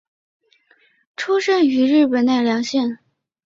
出身于日本奈良县。